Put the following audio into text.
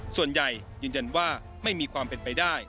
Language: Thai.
ส่วนใหญ่ยืนยันว่าไม่มีความเป็นไปได้